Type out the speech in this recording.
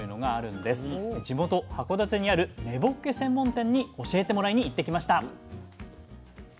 地元函館にある根ぼっけ専門店に教えてもらいに行ってきました。